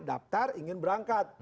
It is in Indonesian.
daftar ingin berangkat